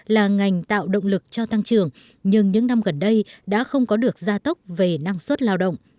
là ngành tạo động lực cho tăng trưởng nhưng những năm gần đây đã không có được gia tốc về năng suất lao động